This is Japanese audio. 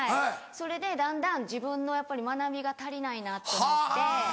それでだんだん自分の学びが足りないなと思って。